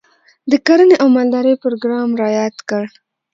د کرنې او مالدارۍ پروګرام رایاد کړ.